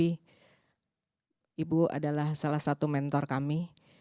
ibu adalah salah satu mentor kami